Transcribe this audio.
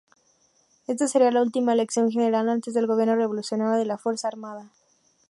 Esta sería la última elección general antes del Gobierno Revolucionario de la Fuerza Armada.